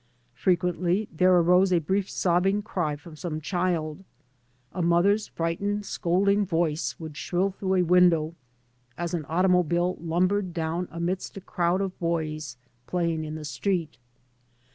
Frequently there arose a brief sobbing cry from some child, A 3 by Google MY MOTHER AND I mother's frightened, scolding voice would shrill through a window as an automobile lumbered down amidst a crowd of boys play ing in the street.